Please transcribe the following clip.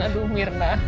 aduh mir nah